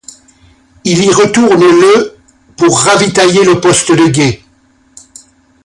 Il y retourne le pour ravitailler le poste de guet.